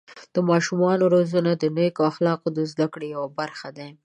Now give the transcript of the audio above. د ماشومانو روزنه د نیکو اخلاقو د زده کړې یوه برخه ده.